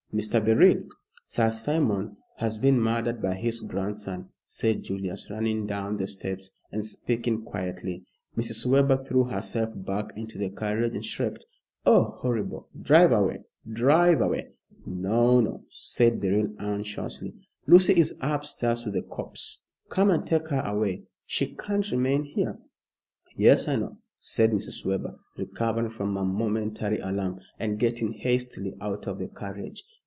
"Mr. Beryl!" "Sir Simon has been murdered by his grandson," said Julius, running down the steps and speaking quietly. Mrs. Webber threw herself back into the carriage and shrieked, "Oh, horrible! Drive away drive away." "No! no!" said Beryl, anxiously. "Lucy is upstairs with the corpse. Come and take her away. She can't remain here." "Yes, I know," said Mrs. Webber, recovering from her momentary alarm, and getting hastily out of the carriage.